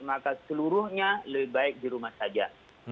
maka seluruhnya lebih baik di rumah saja